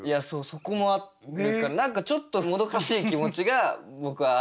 そこもあるというか何かちょっともどかしい気持ちが僕はあるかな。